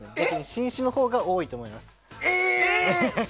新種のほうが多いと思います。